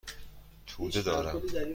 توده دارم.